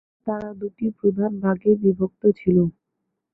তারা দুটি প্রধান ভাগে বিভক্ত ছিল।